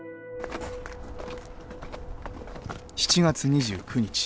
７月２９日